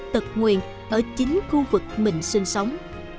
tật nguyện ở chính khu vực mình sinh sống